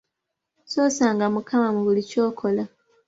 Ssoosanga mukama mu buli kyokola.